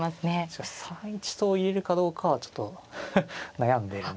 しかし３一とを入れるかどうかはちょっと悩んでるんですね。